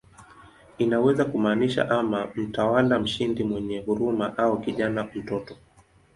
Inaweza kumaanisha ama "mtawala mshindi mwenye huruma" au "kijana, mtoto".